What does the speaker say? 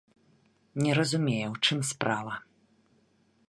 Не разумее, у чым справа.